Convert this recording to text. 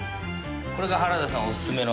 これが原田さんおすすめの食べ方。